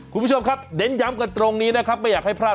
คุณผู้ชมครับเน้นย้ำกันตรงนี้นะครับไม่อยากให้พลาด